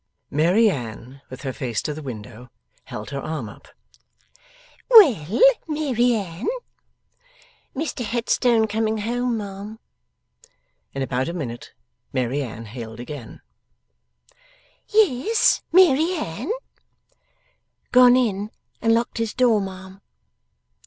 Mary Anne with her face to the window, held her arm up. 'Well, Mary Anne?' 'Mr Headstone coming home, ma'am.' In about a minute, Mary Anne again hailed. 'Yes, Mary Anne?' 'Gone in and locked his door, ma'am.